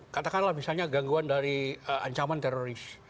katakanlah misalnya gangguan dari ancaman teroris